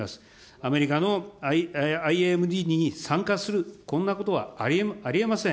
アメリカのＩＡＭＤに参加する、こんなことはありえません。